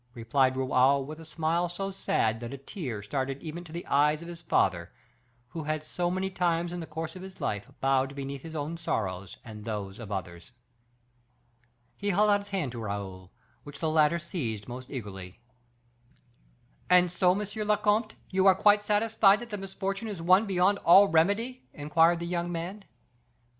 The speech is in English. replied Raoul, with a smile so sad that a tear started even to the eyes of his father, who had so many times in the course of his life bowed beneath his own sorrows and those of others. He held out his hand to Raoul, which the latter seized most eagerly. "And so, monsieur le comte, you are quite satisfied that the misfortune is one beyond all remedy?" inquired the young man.